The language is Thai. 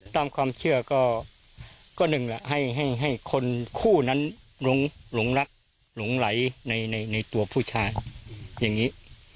ตามความเชื่อก็หนึ่งแหละให้คนคู่นั้นหลงรักหลงไหลในตัวผู้ชายอย่างนี้